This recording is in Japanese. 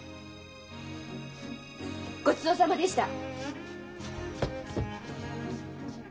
ごちそうさまでした。